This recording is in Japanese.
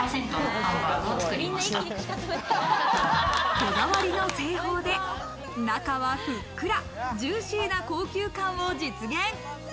こだわりの製法で中はふっくら、ジューシーな高級感を実現。